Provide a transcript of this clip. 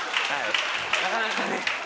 なかなかね。